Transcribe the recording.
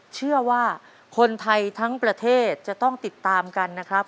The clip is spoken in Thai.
เชื่อว่าคนไทยทั้งประเทศจะต้องติดตามกันนะครับ